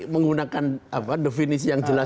menggunakan definisi yang jelas